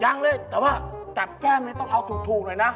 ยังเลยแต่ว่ากับแก้มนี้ต้องเอาถูกหน่อยนะ